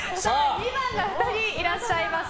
２番が２人いらっしゃいます。